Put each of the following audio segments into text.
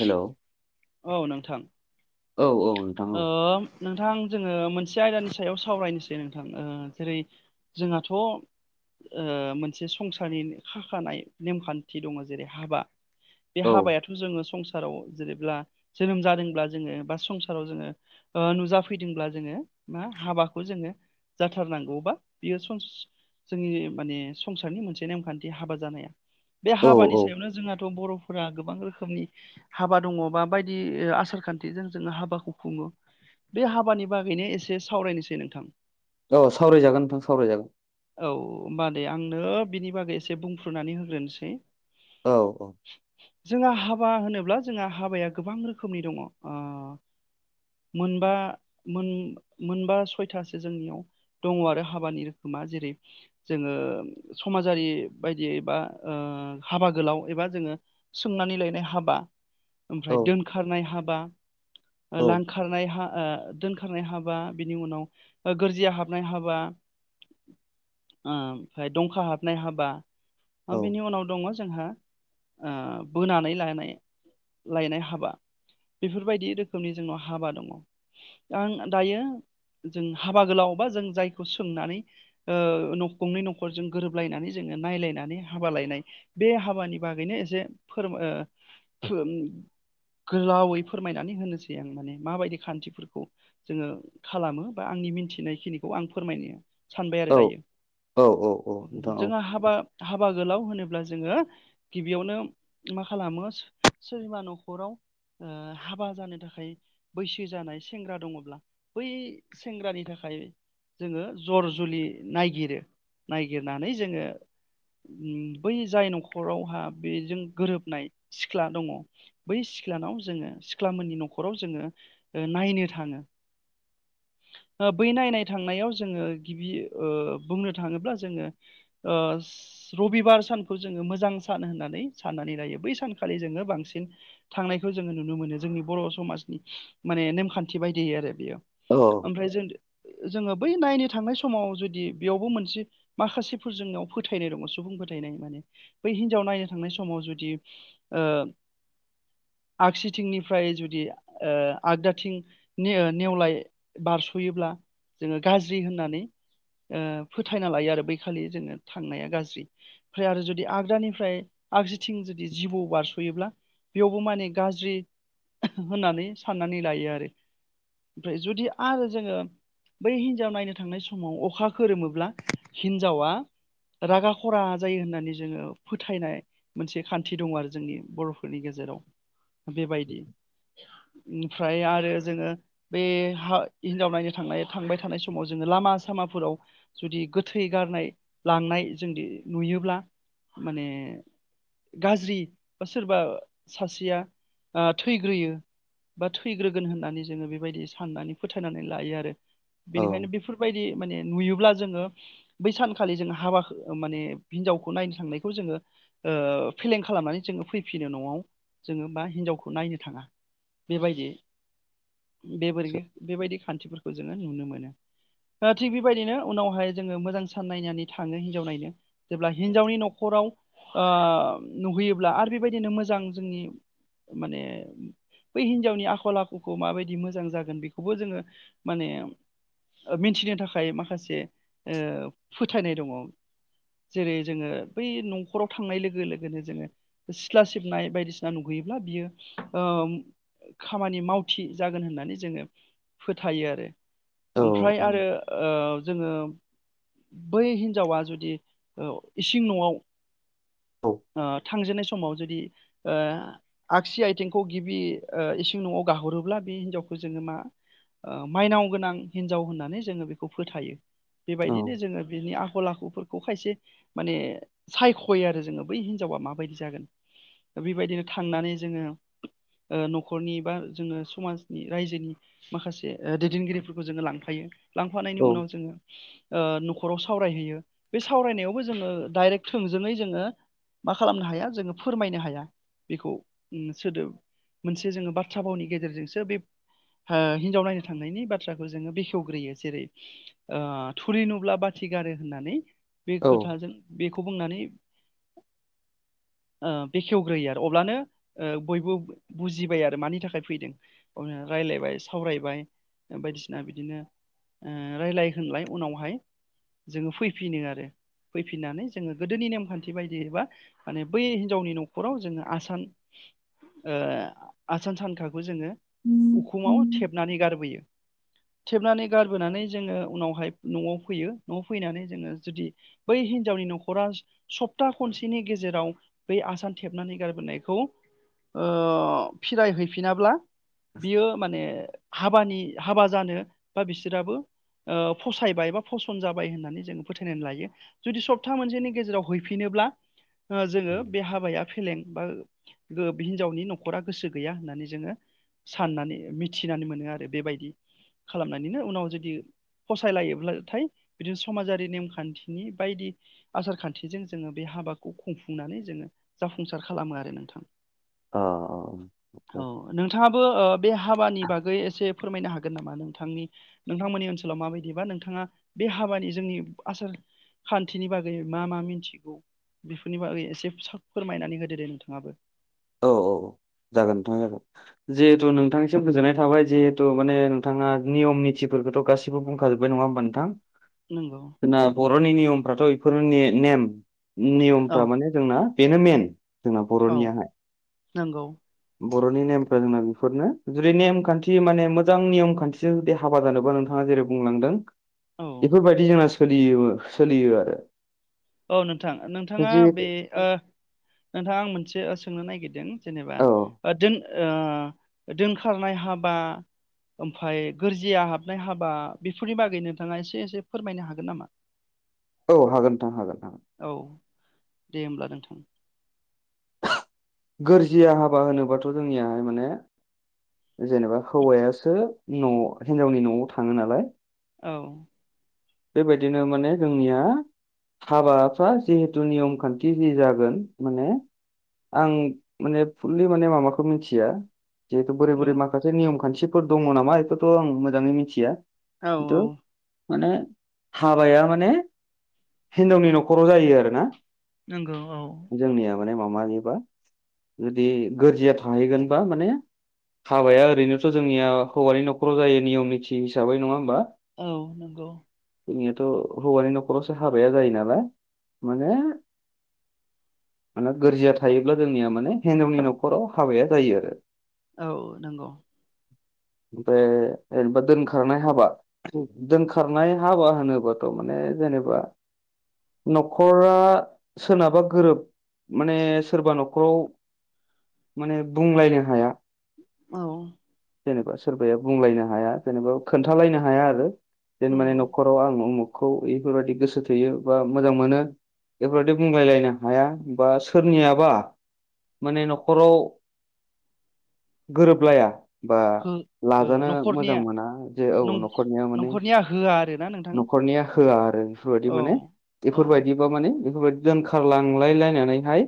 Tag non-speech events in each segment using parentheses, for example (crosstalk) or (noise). Hello औ नोंथां औ औ नोंथां ओ औ नोंथां जोङो मोनसे आयदानि सायाव सावरायनोसै नोंथां ओ जेरै जोंहाथ' ओ मोनसे संसारनि खाखानाय नेमखान्थि दङ जेरै हाबा बे हाबायाथ' जोङो संसाराव जेनेब्ला जोनोम जादोंब्ला जोङो बा संसार जोङो नुजाफैदोंब्ला जोङो मा हाबाखौ जोङो जाथारनांगौबा बियो संस जोंनि माने संसारनि मोनसे नेमखान्थि हाबा जानाया बे औ हाबानि सायावनो जोंहाथ' बर' गोबां रोखोमनि हाबा दङ बा बायदि आसार खान्थिजों जों हाबाखौ खुफुङो बे हाबानि बागैनो एसे सावरायनोसै नोंथां औ सावरायजागोन नोंथां सावरायजागोन औ होमबा दे आंनो बिनि बागै एसे बुंफ्रुनानै होग्रोनसै औ औ जोंहा हाबा होनोब्ला जोंहा हाबाया गोबां रोखोमनि दङ ओ मोनबा मोनबा सयथासो जोंनियाव दङ आरो हाबानि रोखोमा जेरै जोङो समाजारि बायदियै बा हाबा गोलाव एबा जोङो सोंनानै लायनाय हाबा औ ओमफ्राय दोनखारनाय हाबा औ लांखारनाय हा ओ दोनखारनाय हाबा बिनि उनाव गोरजिया हाबनाय हाबा ओमफाय दंखा हाबनाय हाबा बेनि उनाव दङ जोंहा ओ बोनानै लानाय लायनाय हाबा बेफोरबायदि रो रोखोमनि जोंनाव हाबा दङ दा आं दायो जों हाबा गोलाव बा जों जायखौ सोंनानै ओ नखंनै नखरजों गोरोबलायनानै जों नायलायनानै हाबा लायनाय बे हाबानि बागैनो एसे फोर ओ गोलावै फोरमायनानै होनोसै आं माने माबायदि खान्थिफोरखौ जोङो खालामो बा आंनि मिनथिनाय खिनिखौ आं फोरमायनो सानबाय आरो औ दायो औ औ नोंथां औ जोंहा हाबा हाबा गोलाव हो नोब्ला जोङो गिबियावनो मा खालामो सोरनिबा नखराव ओ हाबा जानो था खाय बैसो जानाय सेंग्रा दङब्ला बै सेंग्रानि थाखाय जोङो जर जुलि नायगिरो नायगिरनानै जोङो बै जाय नखरावहा बेजों गोरोबनाय सिख्ला दङ बै सिख्लानाव जोङो सिख्ला मोननि नखराव जोङो ओ नायनो थाङो ओ बै नायनाय थांनायाव जोङो गिबि ओ बुंनो थाङोब्ला जोङो ओ रबिबार सानखौ जोङो मोजां सान होननानै साननानै लायो बै सानखालि जोङो बांसिन थां नायखौ जोङो नुनो मोनो जोंनि बर' समाजनि माने नेमखान्थि बायदियै आरो बियो औ ओमफ्राय जों जोङो बै नायनो थांनाय समाव जुदि बेयावबो मोनसे माखासेफोर जोंनाव फोथायनाय दङ सुबुं फोथायनाय माने बै हिनजाव नायनो थांनाय समाव जुदि ओ आगसिथिंनिफ्राय जुदि ओ आगदाथिं नेवलाय बारस'योब्ला जोङो गाज्रि होननानै ओ फोथायना लायो आरो बैखालि जोङो थांनाया गाज्रि ओमफ्राय आरो जुदि आगदानिफ्राय आगसिथिं जुदि जिबौ बारस'योब्ला बेयावबो माने गाज्रि होननानै साननानै लायो आरो फ्राय जुदि आरो जोङो बै हिनजाव नायनो थांनाय समाव अखा खोरोमोब्ला हिनजावा रागा खरा जायो होननानै जोङो फोथायनाय मोनसे खान्थि दङ आरो जोंनि बर'फोरनि गेजे जेराव बेबायदि ओमफ्राय आरो जोङो बे हिनजाव नायनो थांनाय थांबाय थानाय समाव जोङो ला मा सामाफोराव जुदि गोथै गारनाय लांनाय जोंदि नुयोब्ला। माने गाज्रि बा सोरबा सासेया थैग्रोयो बा थैग्रोगोन होननानै जोङो बेबायदि साननानै फोथायनानै लायो आरो। औ बेनिखायनो बेफोरबायदि माने नुयोब्ला जोङो बै सानखालि जो हाबा माने हिनजावखौ नायनो थांनायखौ जोङो ओ फेलें खालामनानै जोङो फैफिनो न'आव जोङो बा हिनजाव खौ नायनो थाङा बेबायदि बे (unintelligible) बेबायदि खान्थिफोरखौ जोङो नुनो मोनो। थिग बेबायदिनो उनावहाय जोङो मोजां सान नायनानै थाङो हिनजाव नायनो जेब्ला हिनजावनि न'खराव ओ नुहैयोब्ला आरो बेबायदिनो मोजां जोंनि माने बै हिनजावनि आखल आखुखौ माबायदि मोजां जागोन बेखौबो जोङो माने मिथिनो थाखाय माखासे फोथायनाय दङ। जेरै जोङो बै न'खराव थांनाय लोगो लोगोनो जोङो सिथ्ला सिबनाय बायदिसिना नुगैयो ब्ला बियो ओम खामानि मावथि जागोन होननानै जोङो फोथायो आरो। औ ओमफ्राय अ आरो ओ जोङो बै हिन्जावा जुदि इसिं न'आव थांजेननाय समाव जुदि आगसि आथिंखौ गिबि इसिं न'आव गाहरोब्ला बे हिनजावखौ जोङो मा माइनाव गोनां हिन्जाव होननानै जोङो बेखौ फोथायो। बेबायदिनो जोङो बिनि आखल आखुफोर खौ खायसे माने सायख'यो आरो जोङो बै हिनजावा माबायदि जागोन। बेबायदिनो थांनानै जोङो नखरनि बा जोङो समाजनि रायजोनि माखासे दैदेनगिरिफोरखौ जोङो लांफायो। लांफानायनि उनाव जोङो नखराव सावरायहैयो बे सावरायनायावबो जोङो डाइरेक्ट थोंजोङै जोङो मा खालामनो हाया जोङो फोरमायनो हाया बेखौ सोदोब मोनसे जोङो बाथ्रा भावनि गेजेरजोंसो बे हिनजाव नायनो थांनायनि बाथ्राखौ जोङो बेखेवग्रोयो जेरै थुरि नुब्ला बा थिगारो होननानै बे खोथाजों बेखौ बुंनानै बेखेवग्रोयो आरो अब्लानो बयबो बुजिबाय आरो मानि थाखाय फैदों रायलायबाय सावरायबाय बायदिसिना बिदिनो रायलाय होनलाय उनावहाय जोङो फैफिनो आरो। फैनि आसान सानखाखौ जोङो उखुमाव थेबनानै गारबोयो। (inaudible) थेबनानै गारबोनानै जोङो उनावहाय नआव फैयो नआव फैनानै जोङो जुदि बै हिनजाव गावनि नखरा सप्ता खनसेनि गेजेराव बै आसान थेबनानै गारबोनायखौ ओ फिराय हैफिनाब्ला बियो माने हाबानि हाबा जानो बा बिसोराबो फसायबाय एबा फसन जाबाय होननानै जोंङो फोथायनानै लायो जुदि सप्ता मोनसेनि गेजेराव हैफिनो। ब्ला जोङो बे हाबाया फेलें बा हिनजावनि नखरा गोसो गैया होननानै जोङो साननानै मिथिनानै मोनो आरो बेबायदि खालामनानैनो उनाव जुदि फसायलायोब्लाथाय बिदिनो समाजारि नेमखान्थिनि बायदि आसार खान्थिजों जोङो बे हाबाखौ खुंफुंनानै जोङो जाफुंसार खालामो आरो नोंथां। औ नोंथाङाबो बे हाबानि बागै एसे फोरमायनो हागोन नामा नोंथांनि नोंथांमोननि ओनसोलाव माबायदिबा नोंथाङा बे हाबानि जोंनि आसार खान्थिनि बागै मा मा मिन्थिगौ बेफोरनि बागै एसे फोरमायनानै होदो दे नोंथाङाबो औ औ। जागोन नोंथां जागोन जिहेथु औ नोंथांनिसिम गोजोननाय थाबाय जिहेथु माने नोंथाङा नियम निथिफोर बेखौथ गासिबो बुंखाजोब नङा होमबा नोंथां। नंगौ। जोंना बरनि नियमफ्राथ बेफोरनि नेम औ नियमफ्रा माने जोंना बेनो मेन जोंना औ बरनियाहाय नंगौ। बरनि नेमफ्रा जोंना बेफोरनो जुदि नेम खान्थि माने मोजां नेयम खान्थिजों जुदि हाबा जानोबा नोंथाङा जेरै बुंलांदों औ बेफोरबायदि जोंना सोलियोबो औ नोंथां नोंथाङा जि बे नोंथाङा ओ आं मोनसे सोंनो नागिरदों जेनेबा औ दोनखारनाय हाबा ओमफ्राय गोरजिया हाबनाय हाबा बेफोरनि बागै नोंथाङा एसे एसे फोरमायनो हागोन नामा? औ हागोनथां हागोन हागोन। औ दे होमब्ला नोंथां गोरजिया हाबा होनोबाथ जोंनियाहाय माने जेनेबा हौवायासो न हिनजावनि नआव थाङो नालाय औ। बेबायदिनो माने जोंनिया हाबाफ्रा जिहेतु नियम खान्थि जि जागोन माने आं माने फुललि माने माबाखौ मिथिया जे बोरै औ बोरै माखासे नियम खान्थिफोर दङ नामा बेखौथ आं मोजाङै मिथिया औ खिन्थु औ। माने हाबाया माने हिनजावनि नखराव जायो आरोना। नंगौ औ। जोंनिया माने माबानिबा जुदि गोरजिया थाहैगोनबा माने हाबाया ओरैनोथ' जोंनिया हौवानि न'खराव जायो नियम निथि हिसाबै नङा होमबा औ नंगौ। जोंनियाथ' हौवानि न'खरावसो हाबाया जायो नालाय माने माने गोरजिया थायोब्ला जोंनिया माने हिन्जावनि न'खराव हाबाया जायो आरो। औ नंगौ। ओमफ्राय जेनेबा दोनखारनाय हाबा दोनखारनाय हाबा होनोबाथ' माने जों जेनेबा न'खरा सोरनाबा गोरोब माने सोरबा न'खराव माने बुंलायनो हाया। औ। जेनेबा सोरबाया बुंलायनो हाया जेनेबा खोन्थालायनो हाया आरो जे माने नंगौ न'खराव आं उमुख खौ बेफोरबायदि गोसो थोयो बा मोजां मोनो। बेफोरबायदि बुंलायलायनो हाया बा सोरनियाबा माने न'खराव (inaudible) गोरोबलाया बा हो ओ लाजानो मोजां न'खरनिया मोना जे औ नं न'खरनिया माने न'खरनिया होआ आरोना नोंथां नखरनिया होआ आरो बेफोरबायदि औ माने औ बेफोरबायदिबा माने बेफोरबायदि दोनखारलांलाय लायनानैहाय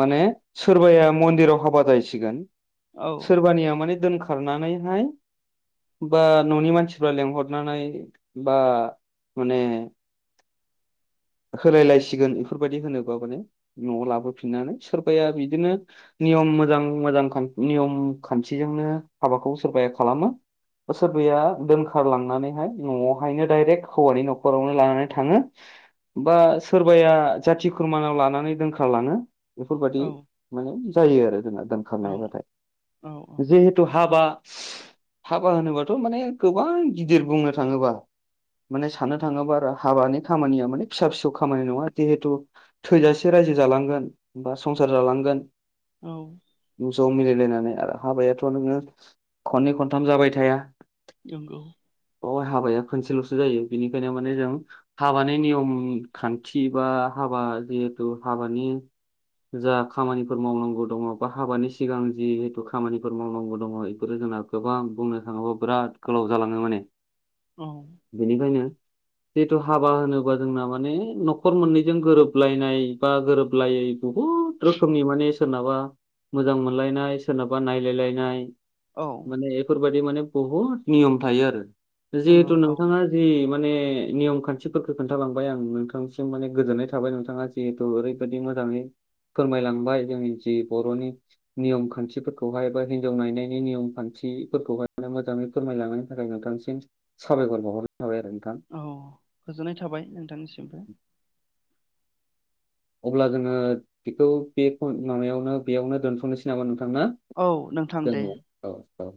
माने सोरबाया मन्दिराव हाबा जाहैसिगोन औ सोरबानिया माने दोनख खारनानैहाय बा न'नि मानसिफ्रा लेंंहरनानै बा माने (inaudible) होलायलायसिगोन बेफोरबायदि होनोबा माने न'आव लाबोफिननानै सोरबाया बिदिनो निय मोजां मोजां नियम खान्थिजोंनो हाबाखौ सोरबाया खालामो। बा सोरबाया दोनखारलांनानैहाय न'आवहायनो डाइरेक्ट हौवानि न'खरावनो लानानै थाङो। बा सोरबाया जाथि खुरमानाव लानानै दोनखारलाङो। बेफोरबायदि औ माने जायो आरो जोंना औ दोनखारनाय औ हाबाया जिहेथु हाबा हाबा होनोबाथ' माने गोबां गिदिर बुंनो थाङोबा। माने साननो नों थाङोबा आरो हाबानि खामानिया माने फिसा फिसौ खामानि नङा जिहेथु थैजासे रायजो जालांगोन बा संसार जालांगोन जागोन औ गोजौआव मिलायलायनानै आरो हाबायाथ' नोङो खननै खनथाम जाबाय थाया। नंगौ औ हाबाया खनसेल'सो जायो बेनिखायनो माने जों हाबानि नियम खान्थि बा हाबा जिहेथु हाबानि जा खामानिफोर मावनांगौ दङ बा हाबानि सिगां जिहेथु खामानिफोर मावनांगौ दङ बेफोरो जोंना गोबां बुंनो थाङोब्ला बिराद गोलाव जालाङो माने। औ बेनिखायनो जिहेथु हाबा होनोबा जोंना माने न'खर मोननैजों गोरोबलायनाय बा गोरोबलायै बहुत रोखोमनि माने सोरनाबा मोजां मोनलायनाय सोरनाबा नायलायलायनाय औ माने बेफोर बेफोरबायदि माने बहुत नियम थायो आरो नंगौ जेहेथु औ नोंथाङा जे माने नियम खान्थिफोरफोरखौ खोन्थालांबाय आं नोंथांसिम माने गोजोननाय थाबाय नोंथाङा जिहेथु ओरैबायदि मोजाङै फोरमायलांबाय जोंनि जि बर'नि नियम खान्थिफोरखौहाय बा हिनजाव नायनायनि नियम खान्थिफोरखौहाय माने मोजाङै फोरमायलांनायनि थाखाय नोंथां। एसेनोसै साबायखर। थाबाय आरो नोंथां। औ गोजोननाय थाबाय नोंथांनिसिमबो। अब्ला जोङो बेखौ बे माबायावनो बेयावनो दोनथ'नोसै नामा? थाङा औ नोंथां दे जों औ औ।